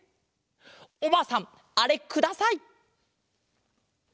おばあさんあれください！